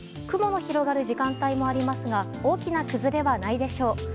雲の広がる時間帯もありますが大きな崩れはないでしょう。